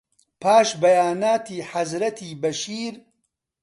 پاش بەیاناتی حەزرەتی بەشیر